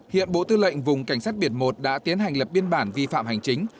hiện bộ tư lệnh vùng cảnh sát biển một đã tiến hành lập biên bản vi phạm hành chính